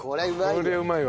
これはうまい。